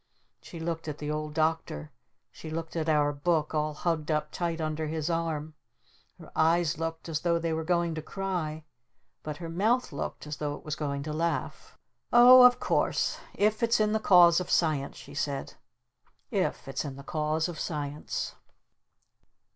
She looked at the Old Doctor. She looked at our Book all hugged up tight under his arm. Her eyes looked as though they were going to cry. But her mouth looked as though it was going to laugh. "Oh of course if it's in the Cause of Science," she said. "If it's in the Cause of Science."